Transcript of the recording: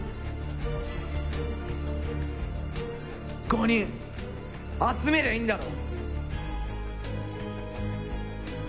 ５人集めりゃいいんだろ！？